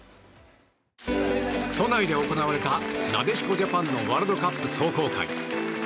都内で行われたなでしこジャパンのワールドカップ壮行会。